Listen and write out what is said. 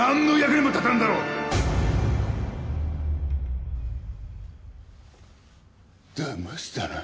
だましたな！？